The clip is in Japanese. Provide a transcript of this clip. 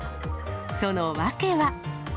その訳は。